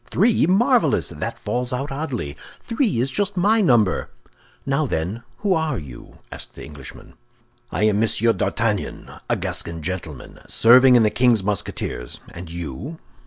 "Three? Marvelous! That falls out oddly! Three is just my number!" "Now, then, who are you?" asked the Englishman. "I am Monsieur d'Artagnan, a Gascon gentleman, serving in the king's Musketeers. And you?"